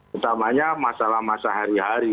pertamanya masalah masalah hari hari